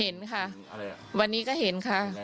เห็นค่ะวันนี้ก็เห็นค่ะ